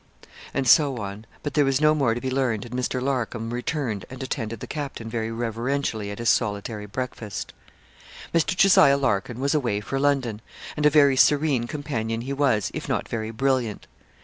And so on. But there was no more to be learned, and Mr. Larcom returned and attended the captain very reverentially at his solitary breakfast. Mr. Jos. Larkin was away for London. And a very serene companion he was, if not very brilliant.